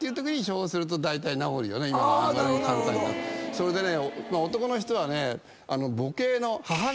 それでね。